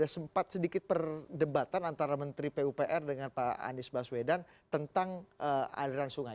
sempat sedikit perdebatan antara menteri pupr dengan pak anies baswedan tentang aliran sungai